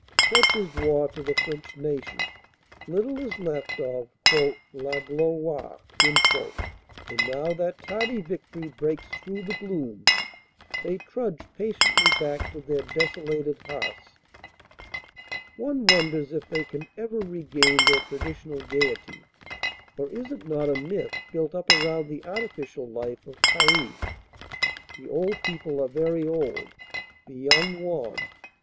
Such is war to the French nation. Little is left of "la gloire." WELCOME TO THE DELIVERER 373 And now that tardy victory breaks through the gloom, they trudge patiently back to their desolated hearths. One wonders if they can ever regain their traditional gaiety or is it not a myth built up around the artificial life of Paris? The old people are very old, the young wan.